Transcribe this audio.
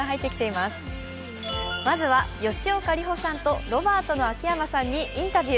まずは吉岡里帆さんとロバートの秋山さんにインタビュー。